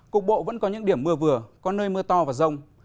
cục bộ vẫn có những điểm mưa vừa có nơi mưa to và rông